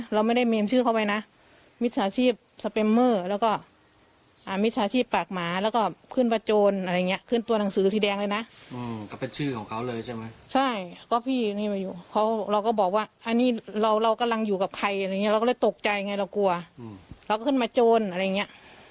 เราก็เลยตกใจไงเรากลัวเราก็ขึ้นมาโจรอะไรงี้